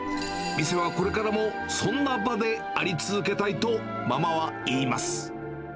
店はこれからもそんな場であり続けたいとママは言います。